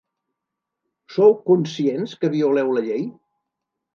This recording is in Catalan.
Sou conscients que violeu la llei?